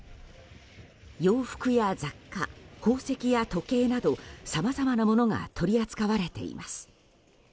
洋服や雑貨、宝石や時計などさまざまなものが取り扱われています。